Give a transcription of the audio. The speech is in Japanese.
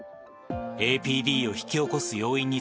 ＡＰＤを引き起こす要因